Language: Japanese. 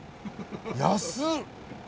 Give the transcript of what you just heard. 安っ！